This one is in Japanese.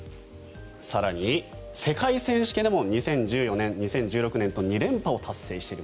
更に、世界選手権でも２０１４年、２０１６年と２連覇を達成している